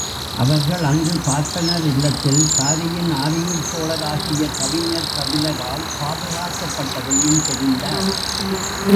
அவர்கள் அங்குப் பார்ப்பனர் இல்லத்தில், பாரியின் ஆருயிர்த்தோழராகிய கவிஞர் கபிலரால் பாதுகாக்கப் பட்டதையும் தெரிந்தார்.